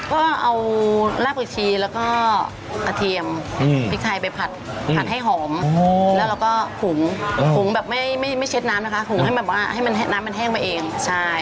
ก็เอาราบกระชีแล้วก็อเทียมพริกไทยไปผัดผัดให้หอมแล้วก็หุงหุงแบบไม่เช็ดน้ำนะคะหุงให้น้ำมันแห้งไปเองใช่